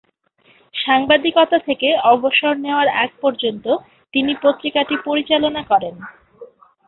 সাংবাদিকতা থেকে অবসর নেওয়ার আগ পর্যন্ত তিনি পত্রিকাটি পরিচালনা করেন।